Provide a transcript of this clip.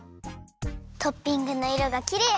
トッピングのいろがきれい！